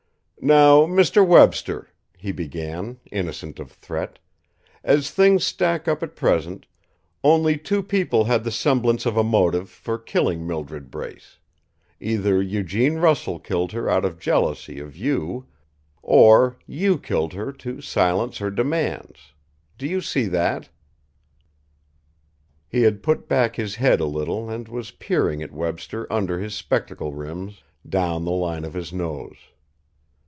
"Now, Mr. Webster," he began, innocent of threat, "as things stack up at present, only two people had the semblance of a motive for killing Mildred Brace either Eugene Russell killed her out of jealousy of you; or you killed her to silence her demands. Do you see that?" He had put back his head a little and was peering at Webster under his spectacle rims, down the line of his nose.